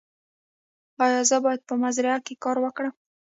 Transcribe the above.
ایا زه باید په مزرعه کې کار وکړم؟